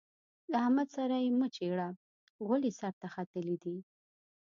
له احمد سره يې مه چېړه؛ غول يې سر ته ختلي دي.